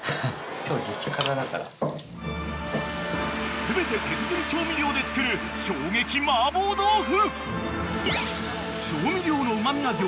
［全て手作り調味料で作る衝撃麻婆豆腐］